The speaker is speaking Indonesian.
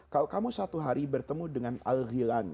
kalau kamu satu hari bertemu dengan al ghilan